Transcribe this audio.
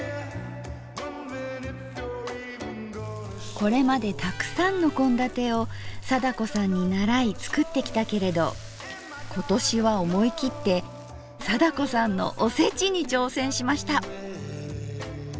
これまでたくさんの献立を貞子さんにならい作ってきたけれど今年は思いきって貞子さんの「おせち」に挑戦しました。